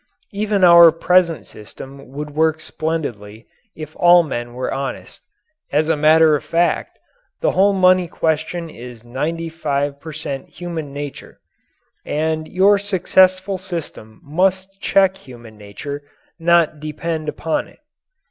Even our present system would work splendidly if all men were honest. As a matter of fact, the whole money question is 95 per cent. human nature; and your successful system must check human nature, not depend upon it.